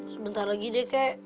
sebentar lagi deh kak